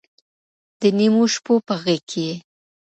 د نيمو شپو په غېږ كي يې